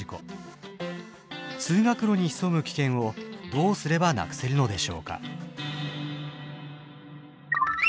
通学路に潜む危険をどうすればなくせるのでしょうか？